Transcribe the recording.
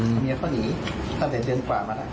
เอาเมียเข้านีตั้งแต่เดือนกว่ามานะ